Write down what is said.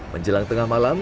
menjelang tengah malam